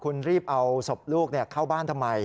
คุณรีบเอาศพลูกเข้าบ้านทำไม